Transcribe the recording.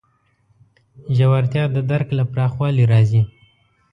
ژورتیا د درک له پراخوالي راځي.